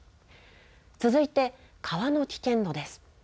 続いて川の危険度です。